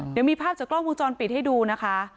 เดี๋ยวมีภาพจากกล้องวงจรปิดให้ดูนะคะ